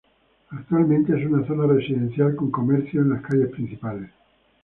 Actualmente es una zona residencial con comercios en las calles principales.